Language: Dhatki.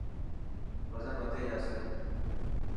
وزن وڌي جاسي.